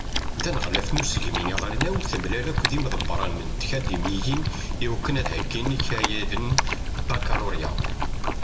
Taneɣlaft n usegmi aɣelnaw temlal akked imḍebbṛen n tkadimiyin iwakken ad heggin ikayaden Bakaluṛya.